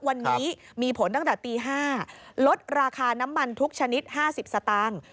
วันนี้มีผลตั้งแต่ตี๕ลดราคาน้ำมันทุกชนิด๕๐สตางค์